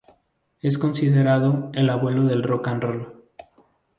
Es considerado "el Abuelo del Rock and Roll".